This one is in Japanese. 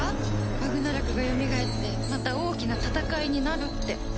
バグナラクがよみがえってまた大きな戦いになるって。